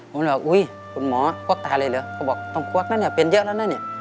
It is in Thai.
ผมเลยบอกอุ๊ยคุณหมอควักตาเลยเหรอเขาบอกต้องควักนะเนี่ยเป็นเยอะแล้วนะเนี่ย